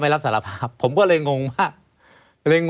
ไม่มีครับไม่มีครับ